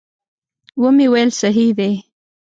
ومې ویل صحیح دي.